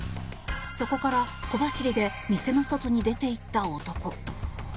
そこから、小走りで店の外に出ていった男。